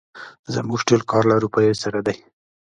زموږ ټول کار له روپيو سره دی.